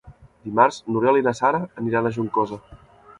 Dimarts n'Oriol i na Sara aniran a Juncosa.